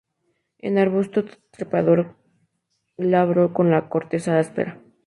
Es un arbusto trepador glabro con la corteza áspera.